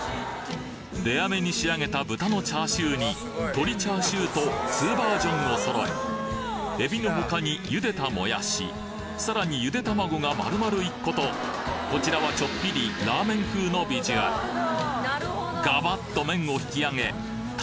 レア目に仕上げた豚のチャーシューに鶏チャーシューと２バージョンを揃えエビの他に茹でたもやしさらにゆで卵が丸々１個とこちらはちょっぴりラーメン風のビジュアルガバッと麺を引き上げ卵